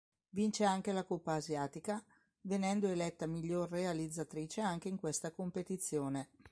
Vince anche la Coppa asiatica, venendo eletta miglior realizzatrice anche in questa competizione.